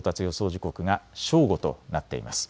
時刻が正午となっています。